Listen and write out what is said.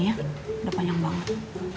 udah panjang banget